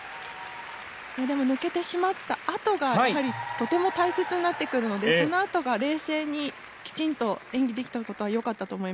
でも抜けてしまったあとがやはりとても大切になってくるのでそのあとが冷静にきちんと演技できた事は良かったと思いますね。